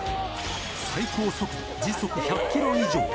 最高速度、時速１００キロ以上。